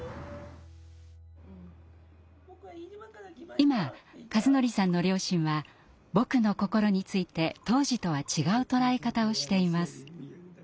今一法さんの両親は「ぼくの心」について当時とは違う捉え方をしています。